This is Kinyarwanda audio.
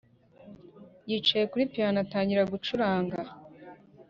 yicaye kuri piyano atangira gucuranga